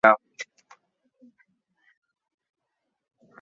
昏黄的橘色光芒映照着街景